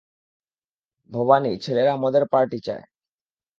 ভবানী, ছেলেরা মদের পার্টি চায়।